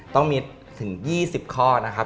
ต้องมีถึง๒๐ข้อนะครับ